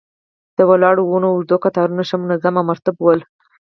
د ولاړو ونو اوږد قطارونه ښه منظم او مرتب ول.